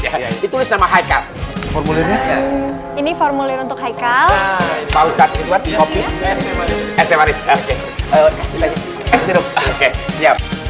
ya ditulis nama haikal formulir ini formulir untuk haikal mausat kopi kopi